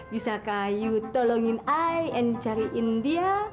bisakah you tolongin i and cariin dia